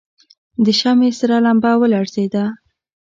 د شمعې سره لمبه ولړزېده.